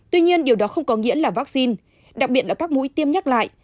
tuy nhiên điều đó không có nghĩa là vaccine đặc biệt là các mũi tiêm nhắc lại